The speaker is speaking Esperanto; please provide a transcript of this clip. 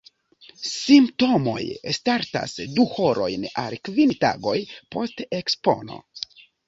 Simptomoj startas du horojn al kvin tagoj post ekspono.